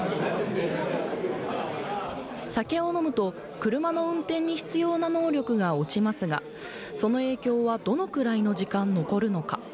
酒を飲むと車の運転に必要な能力が落ちますがその影響はどのくらいの時間残るのか。